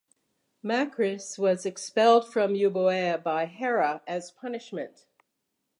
Macris was expelled from Euboea by Hera as punishment.